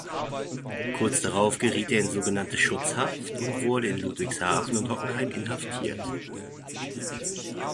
Kurz darauf geriet er in sogenannte "Schutzhaft" und wurde in Ludwigshafen und Hockenheim inhaftiert.